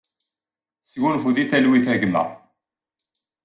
Sgunfu di talwit, a gma!